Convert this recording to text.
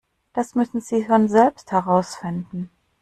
Das müssen Sie schon selbst herausfinden.